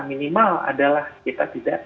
minimal adalah kita tidak